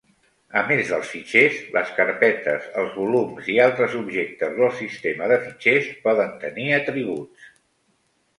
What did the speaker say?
A més dels fitxers, les carpetes, els volums i altres objectes del sistema de fitxers poden tenir atributs.